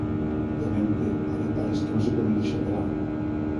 Obviamente, hai detalles que non se poden deixar de lado.